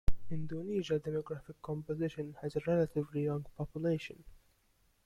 Indonesia demographic composition has a relatively young population.